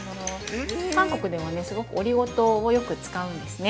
韓国ではすごくオリゴ糖をよく使うんですね。